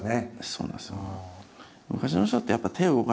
そうなんですよ。